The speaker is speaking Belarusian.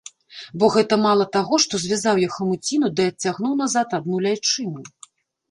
Бо гэта мала таго, што звязаў я хамуціну ды адцягнуў назад адну ляйчыну.